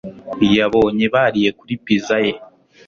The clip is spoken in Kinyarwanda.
yabonye bariye kuri pizza ye .